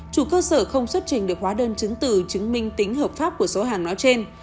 chủ cơ sở không xuất trình được hóa đơn chứng từ chứng minh tính hợp pháp của số hàng nói trên